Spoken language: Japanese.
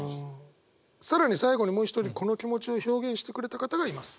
更に最後にもう一人この気持ちを表現してくれた方がいます。